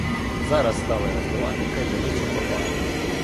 Зараз стали розбивати кайдани чим попало.